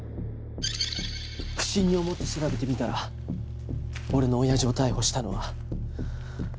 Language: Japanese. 不審に思って調べてみたら俺の親父を逮捕したのは。